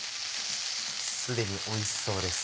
既においしそうです。